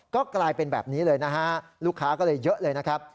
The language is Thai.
ก็กลายเป็นแบบนี้เลยนะฮะลูกค้าก็เลยเยอะเลยนะครับ